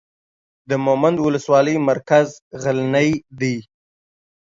د مومند اولسوالۍ مرکز غلنۍ دی.